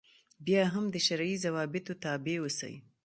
بیا هم د شرعي ضوابطو تابع اوسي.